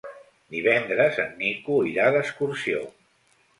Divendres en Nico irà d'excursió.